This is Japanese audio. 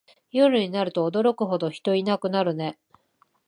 夜になると驚くほど人いなくなるね